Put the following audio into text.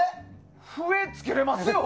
笛、つけれますよ！